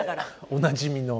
おなじみの。